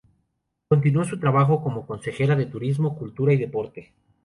Continuó su trabajo como consejera de Turismo, Cultura y Deporte.